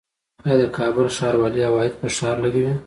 آیا د کابل ښاروالي عواید په ښار لګوي؟